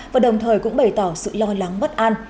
và đồng thời cũng bày tỏ sự lo lắng bất an